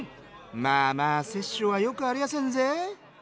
「まあまあ殺生はよくありやせんぜ」。